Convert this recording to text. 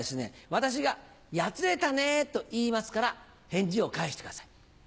私が「やつれたね」と言いますから返事を返してください。